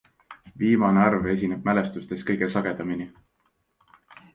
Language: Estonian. Viimane arv esineb mälestustes kõige sagedamini.